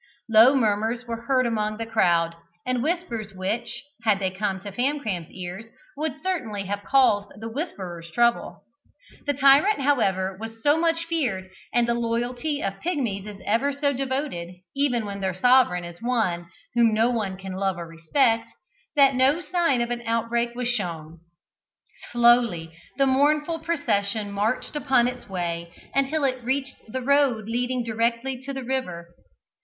Low murmurs were heard among the crowd, and whispers which, had they come to Famcram's ears, would certainly have caused the whisperers trouble. The tyrant, however, was so much feared, and the loyalty of Pigmies is ever so devoted, even when their sovereign is one whom no one can love or respect, that no sign of an outbreak was shown. Slowly the mournful procession marched upon its way, until it reached the road leading directly to the river.